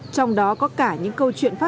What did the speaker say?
trong đó có cả những câu chuyện khác